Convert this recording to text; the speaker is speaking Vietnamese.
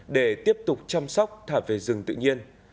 để tiếp tục chăm sóc thả về rừng tự nhiên